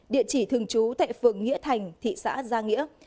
địa chỉ thường trú tại phường nghĩa thành thị xã gia nghĩa